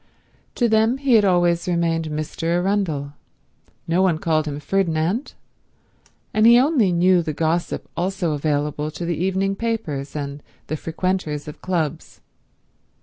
To them he had always remained Mr. Arundel; no one called him Ferdinand; and he only knew the gossip also available to the evening papers and the frequenters of clubs.